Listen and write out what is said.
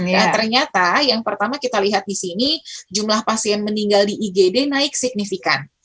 dan ternyata yang pertama kita lihat di sini jumlah pasien meninggal di igd naik signifikan